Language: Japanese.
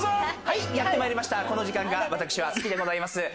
やって参りました、この時間が私は好きでございます。